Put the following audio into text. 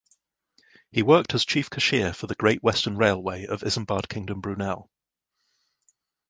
He worked as chief cashier for the Great Western Railway of Isambard Kingdom Brunel.